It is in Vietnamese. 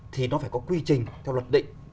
thì nó phải có quy trình theo luật định